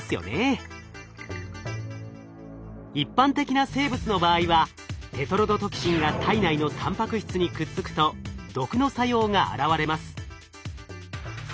一般的な生物の場合はテトロドトキシンが体内のたんぱく質にくっつくと毒の作用が現れます。